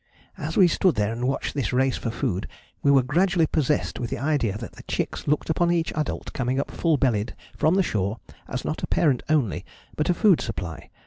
"As we stood there and watched this race for food we were gradually possessed with the idea that the chicks looked upon each adult coming up full bellied from the shore as not a parent only, but a food supply.